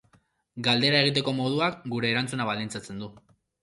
Galdera egiteko moduak gure erantzuna baldintzatzen du.